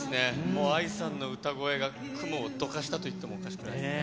もうＡＩさんの歌声が雲をどかしたといってもおかしくないですね。